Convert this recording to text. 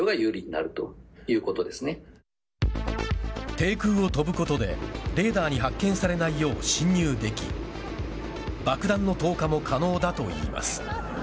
低空を飛ぶことでレーダーに発見されないよう侵入でき爆弾の投下も可能だといいます。